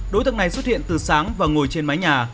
đối tượng này xuất hiện từ sáng và ngồi trên mái nhà